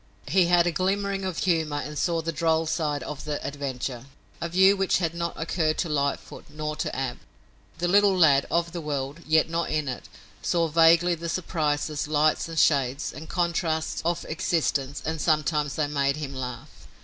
He had a glimmering of humor, and saw the droll side of the adventure, a view which had not occurred to Lightfoot, nor to Ab. The little lad, of the world, yet not in it, saw vaguely the surprises, lights and shades and contrasts of existence, and sometimes they made him laugh.